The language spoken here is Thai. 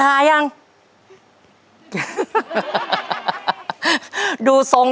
ใช่นักร้องบ้านนอก